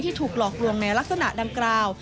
ที่ถูกหลอกลวงในลักษณะดำกราว